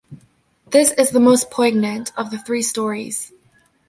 This is the most poignant of the three stories.